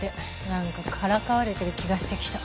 何かからかわれてる気がしてきた。